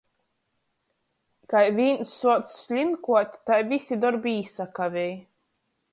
Kai vīns suoc slynkuot, tai vysi dorbi īsakavej.